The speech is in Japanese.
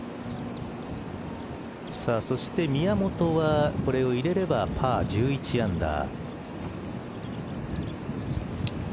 そして宮本はこれを入れればパー１１アンダー。